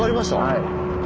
はい。